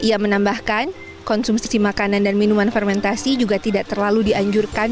ia menambahkan konsumsi makanan dan minuman fermentasi juga tidak terlalu dianjurkan